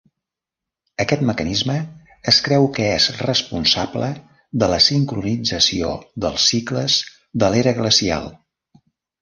Aquest mecanisme es creu que és responsable de la sincronització dels cicles de l'era glacial.